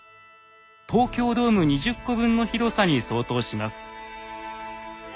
東京ドーム２０個分の広さに相当します。